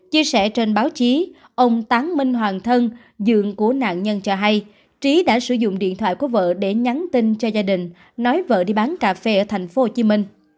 chia sẻ trên báo chí ông tán minh hoàng thân dưỡng của nạn nhân cho hay trí đã sử dụng điện thoại của vợ để nhắn tin cho gia đình nói vợ đi bán cà phê ở thành phố hồ chí minh